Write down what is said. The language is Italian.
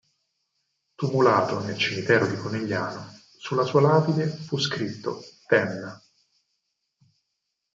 Tumulato nel cimitero di Conegliano sulla sua lapide fu scritto "Ten.